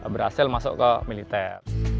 berhasil masuk ke militer